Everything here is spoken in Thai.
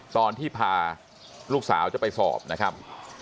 ตอนที่พาลูกสาวจะไปสอบนะครับ